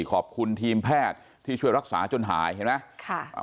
ขอบคุณทีมแพทย์ที่ช่วยรักษาจนหายเห็นไหม